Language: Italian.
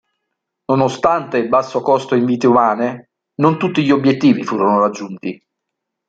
Nonostante il basso costo in vite umane, non tutti gli obiettivi furono raggiunti.